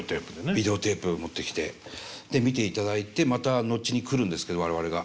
ビデオテープ持ってきてで見ていただいてまた後に来るんですけど我々が。